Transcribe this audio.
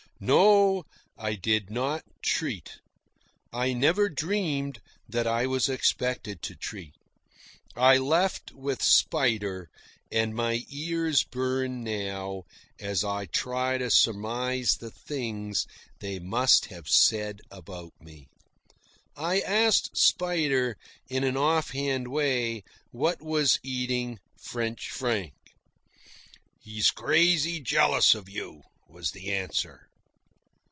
No; I did not treat. I never dreamed that I was expected to treat. I left with Spider, and my ears burn now as I try to surmise the things they must have said about me. I asked Spider, in an off hand way, what was eating French Frank. "He's crazy jealous of you," was the answer.